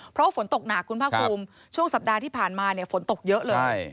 เพราะฝนตกหนักคุณภาคภูมิช่วงสัปดาห์ที่ผ่านมาเนี่ยฝนตกเยอะเลย